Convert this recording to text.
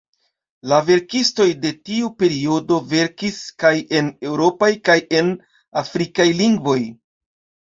La verkistoj de tiu periodo verkis kaj en eŭropaj kaj en afrikaj lingvoj.